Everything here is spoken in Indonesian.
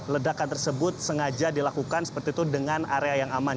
ledakan tersebut sengaja dilakukan seperti itu dengan area yang aman